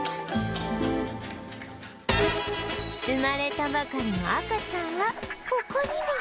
生まれたばかりの赤ちゃんはここにも